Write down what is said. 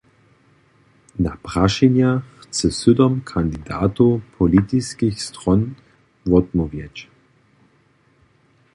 Na prašenja chce sydom kandidatow politiskich stron wotmołwjeć.